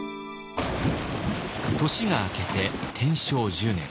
年が明けて天正１０年。